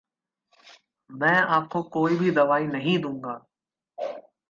मैं आपको कोई भी दवाई नहीं दूंगा।